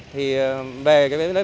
thì về cái vấn đề này